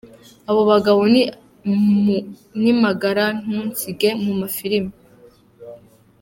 Aba bagabo ni magarantunsige mu mafilime.